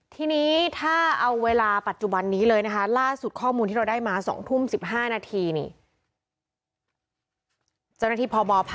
ทีนี้ถ้าเอาเวลาปัจจุบันนี้เลยนะคะล่าสุดข้อมูลที่เราได้มา๒ทุ่ม๑๕นาทีนี่